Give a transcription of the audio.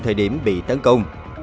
thời điểm bị tấn công